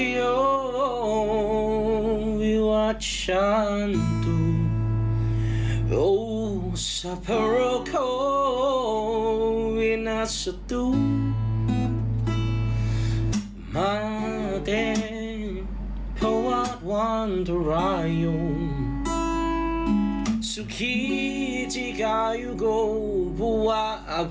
ยกมือไหว้นะก่อนฟังนะครับ